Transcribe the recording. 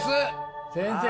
先生